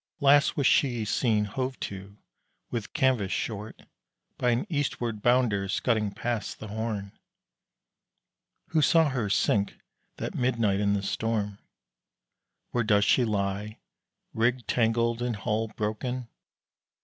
Last was she seen hove to with canvas short By an eastward bounder scudding past the Horn. Who saw her sink that midnight in the storm? Where does she lie, rig tangled and hull broken?